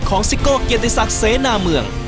ซิโก้เกียรติศักดิ์เสนาเมือง